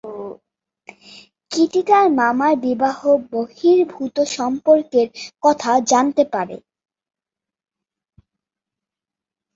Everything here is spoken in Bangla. কিটি তার মামার বিবাহ বহির্ভূত সম্পর্কের কথা জানতে পারে।